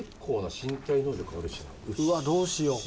うわっどうしよう？